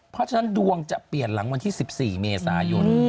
เพราะฉะนั้นดวงจะเปลี่ยนหลังวันที่๑๔เมษายน